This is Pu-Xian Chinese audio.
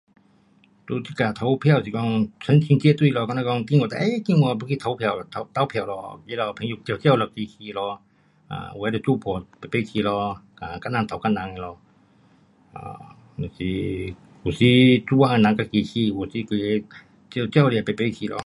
在这次投票是讲成群结队咯，比如讲今天，诶今天要去投票咯，投票咯，他们朋友招招了去去咯，um 有的就作伴，排排去，um 自人投自人的。有时做工人自己去。有时招招了排排去咯。